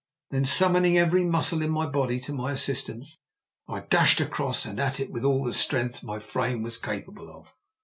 Then summoning every muscle in my body to my assistance, I dashed across and at it with all the strength my frame was capable of.